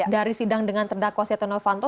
dari sidang dengan terdakwa setia novanto